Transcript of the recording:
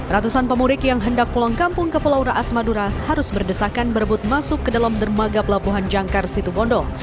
ratusan pemudik yang hendak pulang kampung ke pulau raas madura harus berdesakan berebut masuk ke dalam dermaga pelabuhan jangkar situbondo